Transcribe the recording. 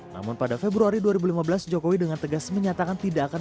namun pada februari dua ribu lima belas jokowi dengan tegas menyatakan tidak akan